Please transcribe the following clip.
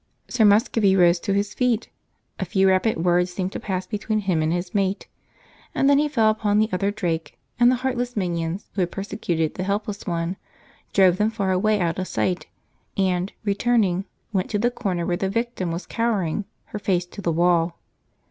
Sir Muscovy rose to his feet; a few rapid words seemed to pass between him and his mate, and then he fell upon the other drake and the heartless minions who had persecuted the helpless one, drove them far away out of sight, and, returning, went to the corner where the victim was cowering, her face to the wall.